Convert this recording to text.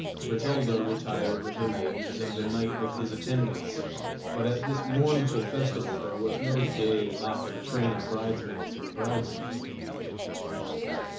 Bertalda retired with her maidens, and the knight with his attendants; but at this mournful festival there was no gay, laughing train of bridesmaids and bridesmen.